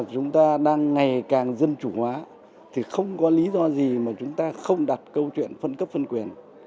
chúng ta đang ngày càng dân chủ hóa thì không có lý do gì mà chúng ta không đặt câu chuyện phân cấp phân quyền